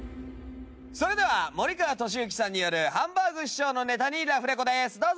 それでは森川智之さんによるハンバーグ師匠のネタにラフレコです。